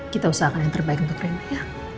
kita usahakan yang terbaik untuk reni ya